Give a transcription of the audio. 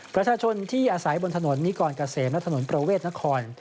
ประชาชนที่อาศัยบนถนนนิกรเกษมและถนนประเวทนคร